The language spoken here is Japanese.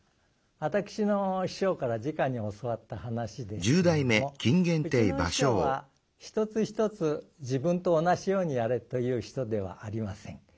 私の師匠からじかに教わった噺ですけれどもうちの師匠は一つ一つ自分と同じようにやれという人ではありません。